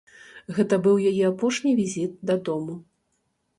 Гэта быў яе апошні візіт дадому.